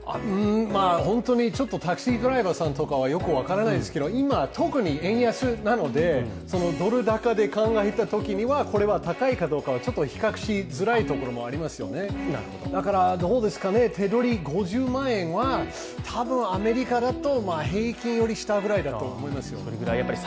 本当にタクシードライバーさんはよく分からないですが、今特に円安なのでドル高で考えたときには、これは高いかどうかはちょっと比較しづらいところもありますよねだから、手取り５０万円はたぶん、アメリカだと平均より下ぐらいだと思いますよ。